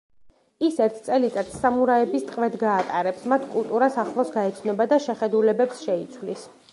ის ერთ წელიწადს სამურაების ტყვედ გაატარებს, მათ კულტურას ახლოს გაეცნობა და შეხედულებებს შეიცვლის.